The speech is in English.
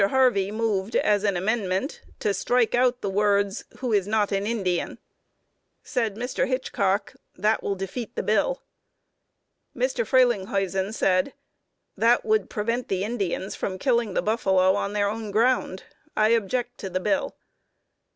Harvey moved, as an amendment, to strike out the words "who is not an Indian." Said Mr. Hitchcock, "That will defeat the bill." Mr. Frelinghuysen said: "That would prevent the Indians from killing the buffalo on their own ground. I object to the bill."